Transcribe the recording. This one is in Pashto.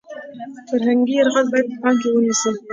فرهنګي یرغل باید په پام کې ونیسو .